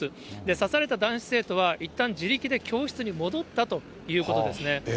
刺された男子生徒は、いったん、自力で教室に戻ったということですね。